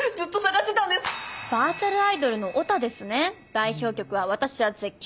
代表曲は『私は絶叫！』。